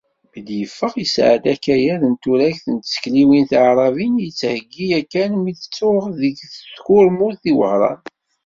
Mi d-yeffeɣ, yesɛedda akayad n turagt deg tsekliwin tiɛrabin i yettheyyi yakan mi t-tuɣ deg tkurmut, di Wehran.